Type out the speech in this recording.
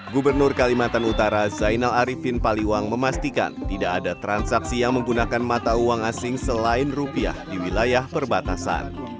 gubernur kalimantan utara zainal arifin paliwang memastikan tidak ada transaksi yang menggunakan mata uang asing selain rupiah di wilayah perbatasan